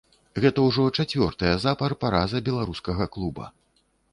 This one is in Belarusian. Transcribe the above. Гэта ўжо чацвёртая запар параза беларускага клуба.